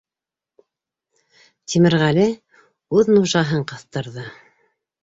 Тимерғәле үҙ нужаһын ҡыҫтырҙы: